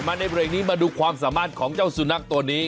ในเบรกนี้มาดูความสามารถของเจ้าสุนัขตัวนี้